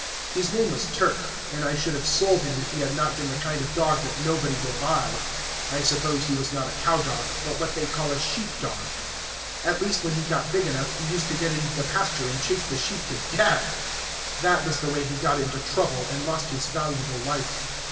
His name was Turk, and I should have sold him if he had not been the kind of dog that nobody will buy. I suppose he was not a cow dog, but what they call a sheep dog. At least, when he got big enough, he used to get into the pasture and chase the sheep to death. That was the way he got into trouble, and lost his valuable life.